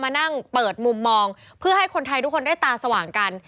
มานั่งเปิดมุมมองเพื่อให้คนไทยทุกคนได้ตาสว่างกัน